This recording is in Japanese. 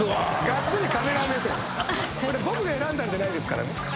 これ僕が選んだんじゃないですからね。